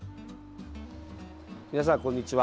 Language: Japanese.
皆さん、こんにちは。